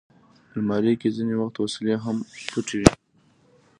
الماري کې ځینې وخت وسلې هم پټې وي